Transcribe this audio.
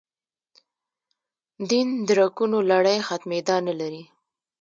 دین درکونو لړۍ ختمېدا نه لري.